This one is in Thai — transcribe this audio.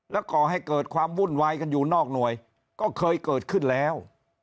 แล้วก่อให้เกิดความวุ่นวายกันอยู่นอกหน่วยก็เคยเกิดขึ้นแล้ว